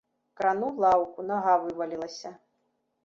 Крануў лаўку, нага вывалілася.